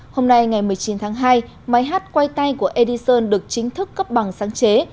hôm nay ngày một mươi chín tháng hai máy hát quay tay của edison được chính thức cấp bằng sáng chế